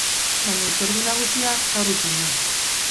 Baina hitzordu nagusia gaur izan da.